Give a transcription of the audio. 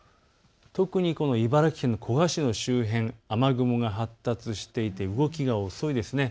特に茨城県の古河市の周辺雨雲が発達していて動きが遅いです。